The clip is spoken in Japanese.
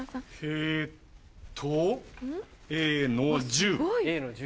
えっとＡの１０。